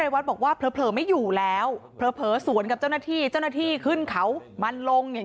วัดบอกว่าเผลอไม่อยู่แล้วเผลอสวนกับเจ้าหน้าที่เจ้าหน้าที่ขึ้นเขามันลงอย่าง